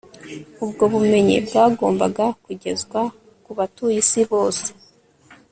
ubwo bumenyi bwagombaga kugezwa ku batuye isi bose